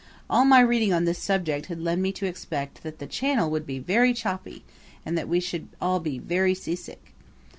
All my reading on this subject had led me to expect that the Channel would be very choppy and that we should all be very seasick.